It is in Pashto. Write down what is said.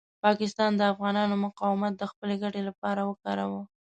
پاکستان د افغانانو مقاومت د خپلې ګټې لپاره وکاروه.